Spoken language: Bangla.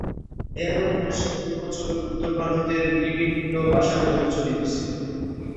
এ ধরনের শব্দের প্রচলন উত্তর ভারতের বিভিন্ন ভাষাতেও প্রচলিত ছিলো।